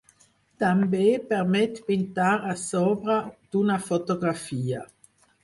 També permet pintar a sobre d’una fotografia.